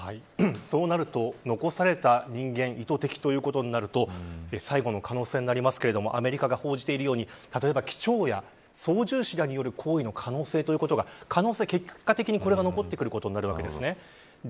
そうなると残された人間意図的ということになると最後の可能性となりますがアメリカが報じたように例えば機長や操縦士らによる行為の可能性結果的に、これが残ってくることになります。